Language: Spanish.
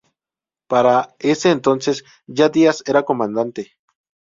Para ese entonces, ya Díaz era Comandante.